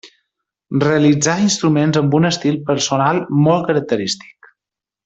Realitzà instruments amb un estil personal molt característic.